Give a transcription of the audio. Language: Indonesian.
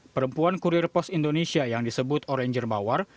perempuan kurir pos indonesia yang disebut oranger mawar